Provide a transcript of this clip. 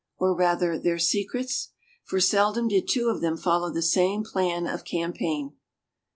Or, rather, their secrets? For seldom did two of them follow the same plan of campaign.